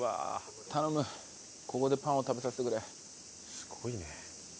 すごいね。